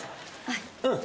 はい。